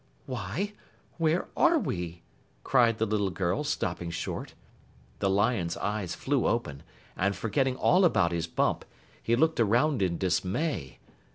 "Why, where are we?" cried the little girl, stopping short. The lion's eyes flew open, and forgetting all about his bump, he looked around in dismay.